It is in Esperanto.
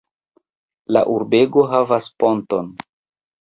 La urbego havas ponton.